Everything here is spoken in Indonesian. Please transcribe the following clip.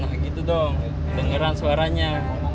nah gitu dong dengeran suaranya